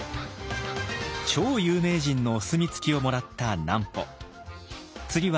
超有名人のお墨付きをもらった南畝。